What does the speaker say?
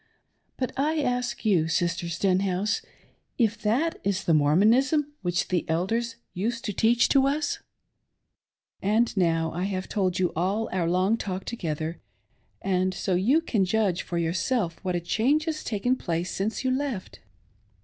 But I ask you, Sister Stenhouse, if that is the Mormonism which the elders used to teach us ? And now I have told you all our long talk together and so you can judge for yourself what a cjiange has taken place since you left.